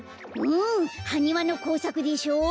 うんハニワのこうさくでしょ？